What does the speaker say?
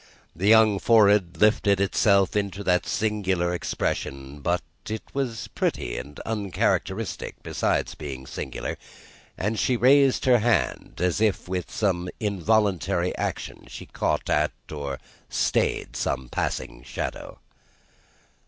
The young forehead lifted itself into that singular expression but it was pretty and characteristic, besides being singular and she raised her hand, as if with an involuntary action she caught at, or stayed some passing shadow.